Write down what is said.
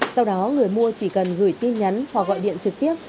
sau đó người mua chỉ cần gửi tin nhắn hoặc gọi điện trực tiếp